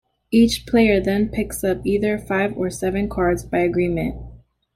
Each player then picks up either five or seven cards, by agreement.